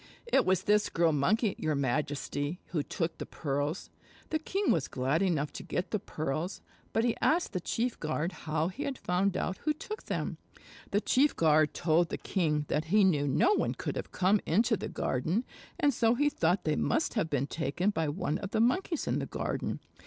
"It was this Girl Monkey, your Majesty, who took the pearls." The king was glad enough to get the pearls, but he asked the chief guard how he had found out who took them. The chief guard told the king that he knew no one could have come into the garden and so he thought they must have been taken by one of the Monkeys in the garden.